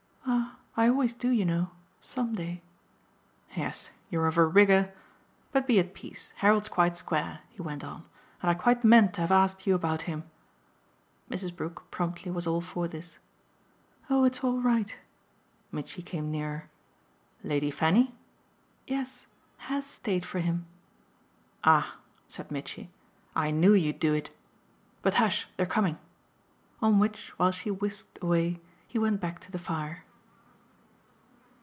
"Ah I always do, you know SOME day." "Yes, you're of a rigour ! But be at peace. Harold's quite square," he went on, "and I quite meant to have asked you about him." Mrs. Brook, promptly, was all for this. "Oh it's all right." Mitchy came nearer. "Lady Fanny ?" "Yes HAS stayed for him." "Ah," said Mitchy, "I knew you'd do it! But hush they're coming!" On which, while she whisked away, he went back to the fire.